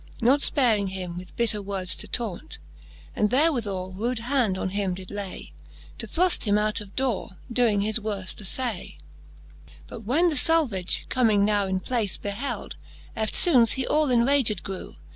Not fparing him with bitter words to taunt ; And therewithall rude hand on him did lay. To thruft him out of dore, doing his worft aflay. XXIL Which when the Salvage, comming now in place. Beheld, eftfoones he all enraged grew.